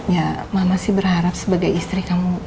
ya mama sih berharap sebagai istri kamu